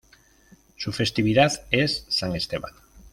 Su festividad es San Esteban.